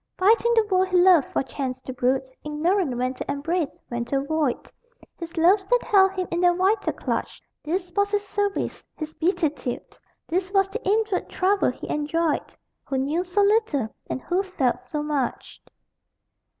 Fighting the world he loved for chance to brood, Ignorant when to embrace, when to avoid His loves that held him in their vital clutch This was his service, his beatitude; This was the inward trouble he enjoyed Who knew so little, and who felt so much.